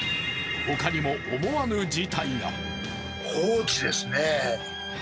ほかにも思わぬ事態が。